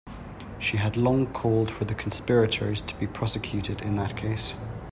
She had long called for the conspirators to be prosecuted in that case.